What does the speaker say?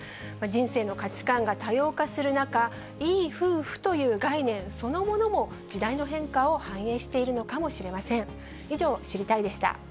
人生の価値観が多様化する中、いい夫婦という概念そのものも、時代の変化を反映しているのかもしれません。